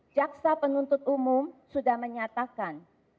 jaksa penuntut umum sudah menyatakan